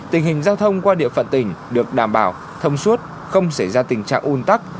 tình hình giao thông qua địa phận tỉnh được đảm bảo thông suốt không xảy ra tình trạng un tắc